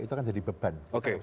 itu kan jadi beban